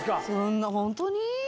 そんな、本当にぃ？